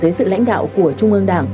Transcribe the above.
và dưới sự lãnh đạo của trung ương đảng